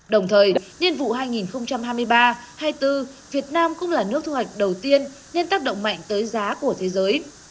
đồng thời nhiên vụ hai nghìn hai mươi ba hai nghìn hai mươi bốn việt nam cũng là nước thu hoạch đầu tiên nên tác động mạnh tới giá của thế giới